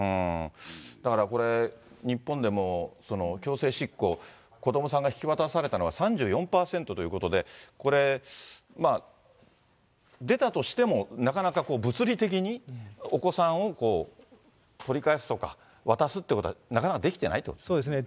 だからこれ、日本でも強制執行、子どもさんが引き渡されたのが３４％ということで、これ、まあ出たとしても、なかなか物理的にお子さんを取り返すとか、渡すってことは、なかなかできてないっていうことですか？